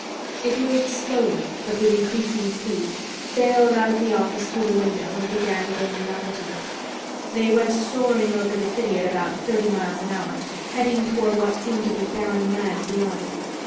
It moved slowly, but with increasing speed, sailed out of the office through the window and began gaining altitude. They went soaring over the city at about thirty miles an hour, heading toward what seemed to be barren land beyond.